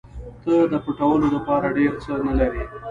ته د پټولو دپاره ډېر څه نه لرې.